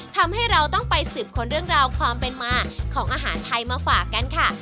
ทำให้เราต้องไปสืบค้นเรื่องราวความเป็นมาของอาหารไทยมาฝากกันค่ะ